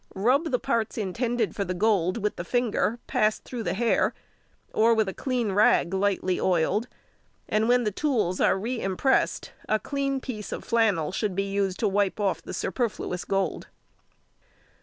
Rub the parts intended for the gold with the finger (passed through the hair), or with a clean rag lightly oiled, and when the tools are re impressed a clean piece of flannel should be used to wipe off the superfluous gold.